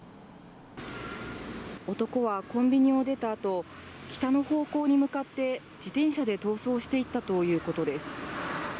男はコンビニを出たあと、北の方向に向かって自転車で逃走していったということです。